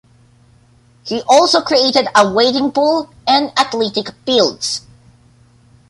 He also created a wading pool and athletic fields.